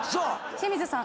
清水さん